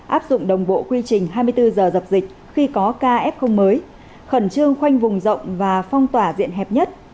áp dụng đồng bộ quy trình hai mươi bốn h dập dịch khi có ca f mới khẩn trương khoanh vùng rộng và phong tỏa diện hẹp nhất